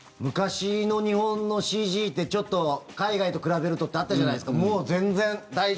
昔の日本のＣＧってちょっと海外と比べるとってあったじゃないですか。